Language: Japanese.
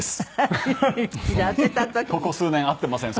ここ数年会っていません